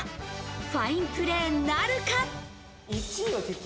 ファインプレーなるか？